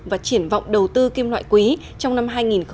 và triển vọng đầu tư kim loại quý trong năm hai nghìn hai mươi